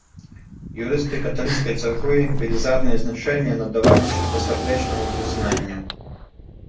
Юрысты каталіцкай царквы велізарнае значэнне надавалі чыстасардэчнаму прызнанню.